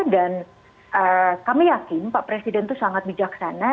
kami yakin pak presiden itu sangat bijaksana